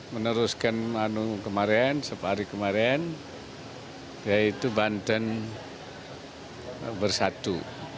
meneruskan kemarin sepah hari kemarin yaitu banten bersatu